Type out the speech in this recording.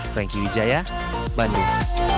franky widjaya bandung